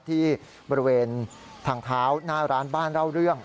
ที่บริเวณทางเท้าหน้าร้านบ้านเล่าเรื่อง